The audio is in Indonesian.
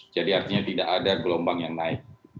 artinya tidak ada gelombang yang naik